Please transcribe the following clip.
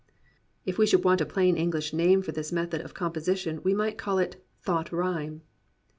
If we should want a plain English name for this method of composition we might call it thought rhyme.